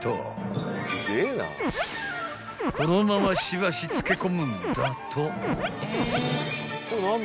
［このまましばし漬け込むんだと］